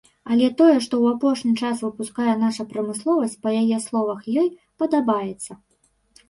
Але тое, што ў апошні час выпускае наша прамысловасць, па яе словах, ёй падабаецца.